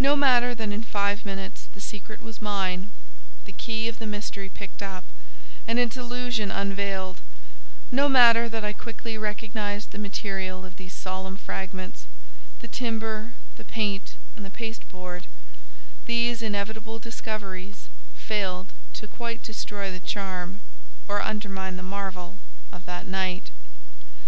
No matter that in five minutes the secret was mine—the key of the mystery picked up, and its illusion unveiled—no matter that I quickly recognised the material of these solemn fragments—the timber, the paint, and the pasteboard—these inevitable discoveries failed to quite destroy the charm, or undermine the marvel of that night.